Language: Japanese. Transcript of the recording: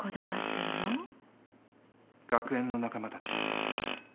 学園の仲間たち